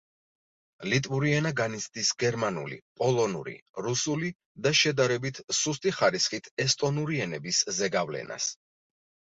ლიტვური ენა განიცდის გერმანული, პოლონური, რუსული და შედარების სუსტი ხარისხით ესტონური ენების ზეგავლენას.